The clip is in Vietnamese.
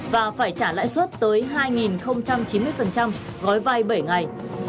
và phải trả lãi suất tới hai chín mươi gói vai bảy ngày